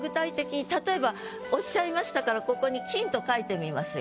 例えばおっしゃいましたからここに「金」と書いてみますよ。